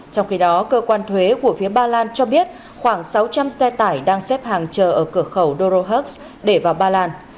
trong khi đó cơ quan thuế của phía ba lan cho biết khoảng sáu trăm linh xe tải đang xếp hàng chờ ở cửa khẩu dorohoks để vào ba lan